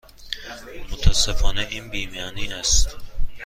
متاسفانه این بی معنی است.